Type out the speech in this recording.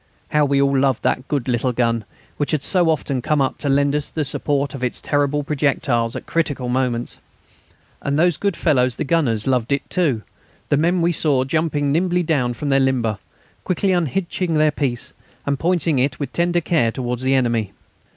How we all loved that good little gun, which had so often come up to lend us the support of its terrible projectiles at critical moments! And those good fellows the gunners loved it too; the men we saw jumping nimbly down from their limber, quickly unhitching their piece, and pointing it with tender care towards the enemy.